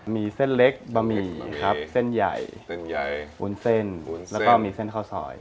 มีเส้นเล็กบะหมี่ครับเส้นใหญ่เส้นใหญ่วุ้นเส้นแล้วก็มีเส้นข้าวซอย